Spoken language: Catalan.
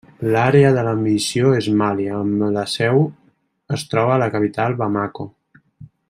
L'àrea de la missió és Mali, amb la seu es troba a la capital Bamako.